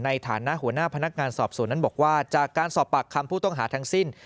ในฐานะหัวหน้าพนักงานสอบสวนนั้นบอกว่าจากการสอบปากคำผู้ต้องหาทั้งสิ้น